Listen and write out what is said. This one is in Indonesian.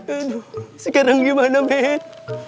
aduh sekarang gimana men